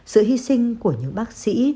sự hy sinh của những bác sĩ